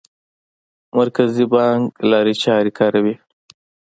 مرکزي بانک لارې چارې کاروي.